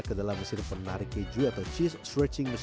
ke dalam mesin penarik keju atau cheese stretching